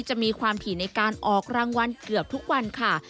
จะมีความถี่ในการออกรางวัลเกือบทุกวันค่ะ